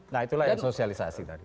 nah itulah yang sosialisasi tadi